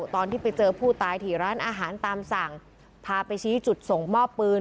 ตอนที่ไปเจอผู้ตายที่ร้านอาหารตามสั่งพาไปชี้จุดส่งมอบปืน